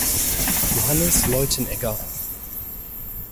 Johannes Leutenegger.